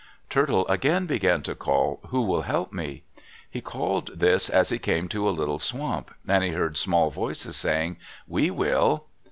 Turtle again began to call, "Who will help me?" He called this as he came to a little swamp, and he heard small voices saying, "We will."